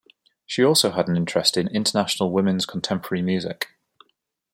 She also had an interest in International Women's Contemporary music.